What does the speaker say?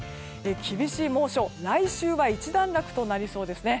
厳しい猛暑、来週は一段落となりそうですね。